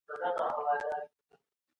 ګاونډی هیواد کډوالو ته ویزې نه بندوي.